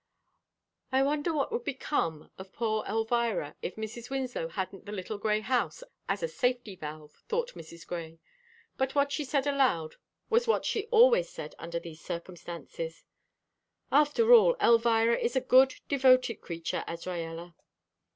"I wonder what would become of poor Elvira if Mrs. Winslow hadn't the little grey house as a safety valve?" thought Mrs. Grey, but what she said aloud was what she always said under these circumstances: "After all, Elvira is a good, devoted creature, Azraella."